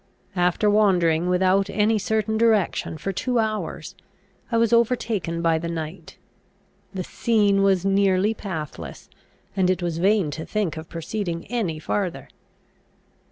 After wandering without any certain direction for two hours, I was overtaken by the night. The scene was nearly pathless, and it was vain to think of proceeding any farther.